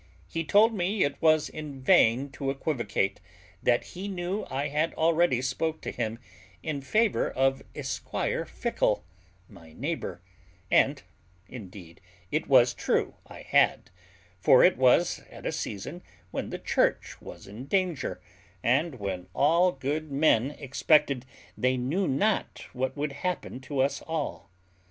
He told me it was in vain to equivocate; that he knew I had already spoke to him in favour of esquire Fickle, my neighbour; and, indeed, it was true I had; for it was at a season when the church was in danger, and when all good men expected they knew not what would happen to us all.